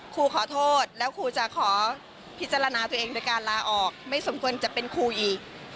ครูขอโทษแล้วครูจะขอพิจารณาตัวเองโดยการลาออกไม่สมควรจะเป็นครูอีก